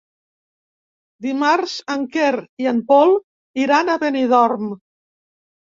Dimarts en Quer i en Pol iran a Benidorm.